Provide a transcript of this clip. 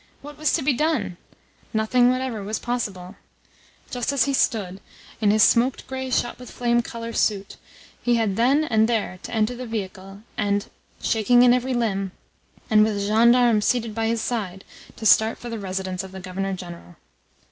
What was to be done? Nothing whatever was possible. Just as he stood in his smoked grey shot with flame colour suit he had then and there to enter the vehicle, and, shaking in every limb, and with a gendarme seated by his side, to start for the residence of the Governor General.